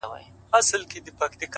دغه اوږده شپه تر سهاره څنگه تېره كړمه ـ